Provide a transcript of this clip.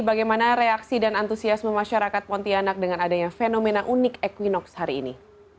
bagaimana reaksi dan antusiasme masyarakat pontianak dengan adanya fenomena unik equinox hari ini